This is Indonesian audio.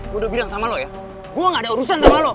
gue udah bilang sama lo ya gue gak ada urusan sama lo